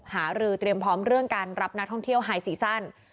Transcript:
หารือเตรียมพร้อมเรื่องการรับนักท่องเที่ยวไฮซีซั่น